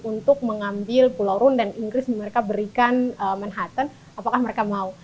untuk mengambil pulau rune dan inggris mereka berikan manhattan apakah mereka mau